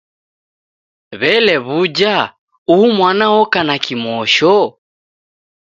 W'ele w'uja uhu mwana oka na kimosho?